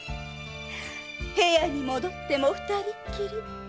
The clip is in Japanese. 部屋に戻っても二人っきり。